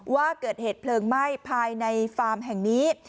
ว่าเกิดเหตุเพลิงไหม้ภายในฟาร์มแห่งนี้